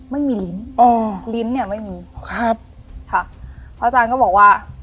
ลิ้นอ๋อลิ้นเนี่ยไม่มีครับค่ะพระอาจารย์ก็บอกว่า